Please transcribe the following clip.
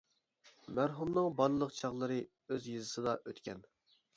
مەرھۇمنىڭ بالىلىق چاغلىرى ئۆز يېزىسىدا ئۆتكەن.